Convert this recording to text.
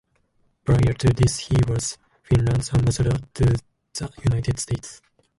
Prior to this he was Finland's ambassador to the United States.